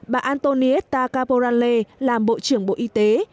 bà antonietta caporale làm bộ trưởng bộ y tế